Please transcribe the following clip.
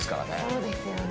そうですよね。